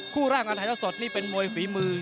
คู่ร่างการไทยเท้าสดนี่เป็นมวยฝีมือ